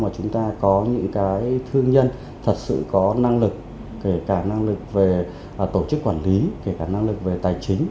mà chúng ta có những thương nhân thật sự có năng lực kể cả năng lực về tổ chức quản lý kể cả năng lực về tài chính